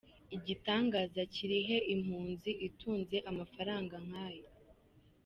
Igitangaza kiri he impunzi itunze amafaranga nkayo ?